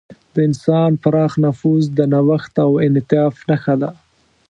د انسان پراخ نفوذ د نوښت او انعطاف نښه ده.